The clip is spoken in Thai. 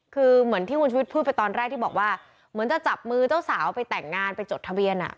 คือเหมือนที่คุณชุวิตพูดไปตอนแรกที่บอกว่าเหมือนจะจับมือเจ้าสาวไปแต่งงานไปจดทะเบียน